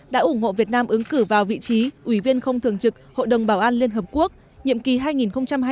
đã ủng hộ việt nam ứng cử vào vị trí